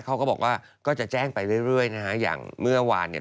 เขาก็บอกว่าก็จะแจ้งไปเรื่อยนะฮะอย่างเมื่อวานเนี่ย